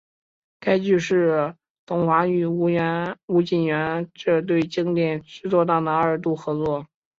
该剧是桐华与吴锦源这对经典制作档的二度合作。